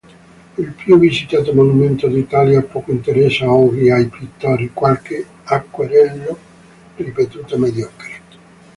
Il più visitato monumento d'Italia poco interessa oggi ai pittori: qualche acquerello, ripetuto, mediocre.